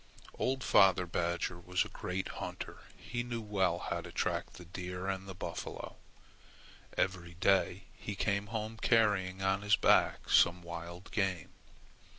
Old father badger was a great hunter. He knew well how to track the deer and buffalo. Every day he came home carrying on his back some wild game.